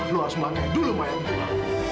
lu harus melakukannya dulu mayatku